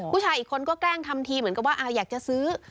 ผู้ชายอีกคนก็แกล้งทำทีเหมือนกับว่าอยากจะซื้อ